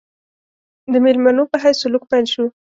د مېلمنو په حیث سلوک پیل شو.